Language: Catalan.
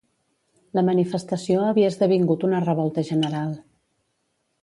La manifestació havia esdevingut una revolta general.